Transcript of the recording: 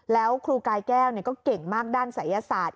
แล้วครูกายแก้วก็เก่งมากด้านศัยศาสตร์